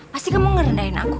pasti kamu ngerendahin aku